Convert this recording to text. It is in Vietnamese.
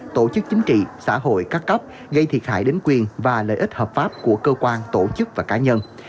tổ chức chính trị xã hội các cấp gây thiệt hại đến quyền và lợi ích hợp pháp của cơ quan tổ chức và cá nhân